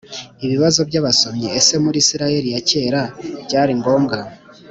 Ibibazo by abasomyi ese muri isirayeli ya kera byari ngombwa